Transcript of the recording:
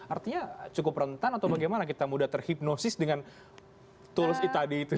artinya cukup rentan atau bagaimana kita mudah terhipnosis dengan tools tadi itu